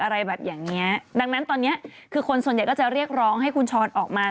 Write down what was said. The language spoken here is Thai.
อะไรแบบอย่างเงี้ยดังนั้นตอนเนี้ยคือคนส่วนใหญ่ก็จะเรียกร้องให้คุณช้อนออกมา